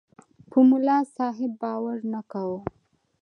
په ملاصاحب باور نه کاوه.